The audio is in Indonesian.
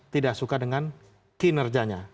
tidak suka dengan kinerjanya